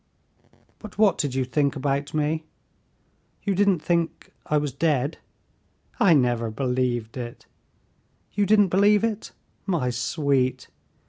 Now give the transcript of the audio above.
"But what did you think about me? You didn't think I was dead?" "I never believed it." "You didn't believe it, my sweet?"